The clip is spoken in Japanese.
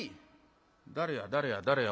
「誰や誰や誰や？